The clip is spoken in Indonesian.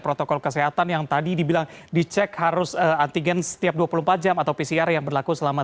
protokol kesehatan yang tadi dibilang dicek harus antigen setiap dua puluh empat jam atau pcr yang berlaku selama